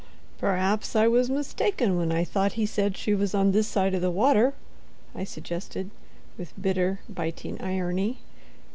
"Perhaps I was mistaken when I thought he said she was on this side of the water," I suggested, with bitter, biting irony.